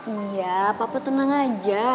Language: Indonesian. iya papa tenang aja